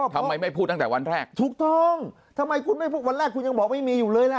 ทำไมไม่พูดตั้งแต่วันแรกถูกต้องทำไมคุณไม่พูดวันแรกคุณยังบอกไม่มีอยู่เลยล่ะ